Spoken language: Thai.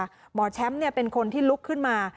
หมอแชมป์เป็นคนที่ลุกขึ้นมา